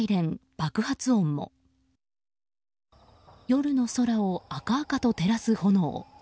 夜の空を赤々と照らす炎。